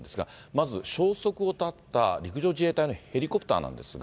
まず消息を絶った陸上自衛隊のヘリコプターなんですが。